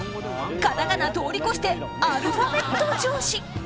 カタカナ通り越してアルファベット上司。